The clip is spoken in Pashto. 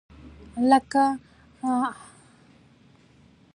لکه له عبدالهادي سره چې لګېده.